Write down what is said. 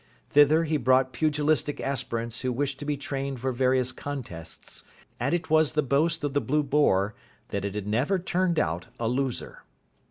Thither he brought pugilistic aspirants who wished to be trained for various contests, and it was the boast of the "Blue Boar" that it had never turned out a loser.